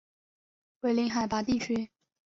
为零海拔地区。